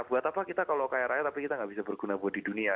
buat apa kita kalau kaya raya tapi kita nggak bisa berguna buat di dunia